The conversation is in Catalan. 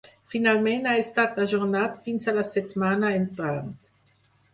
Finalment ha estat ajornat fins a la setmana entrant.